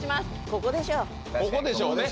ここでしょうね